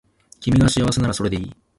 君が幸せならそれでいい